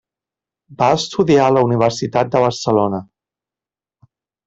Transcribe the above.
Va estudiar a la Universitat de Barcelona.